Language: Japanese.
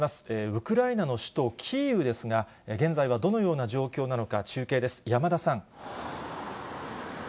ウクライナの首都キーウですが、現在はどのような状況なのか、中継です、山田さん。